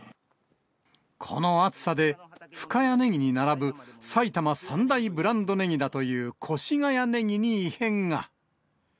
この暑さで、深谷ネギに並ぶ埼玉三大ブランドネギだという越谷ネギに異変が。